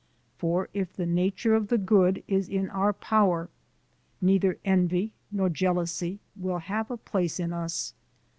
For if the nature of the good is in our power, neither envy nor jealousy will have a place in us.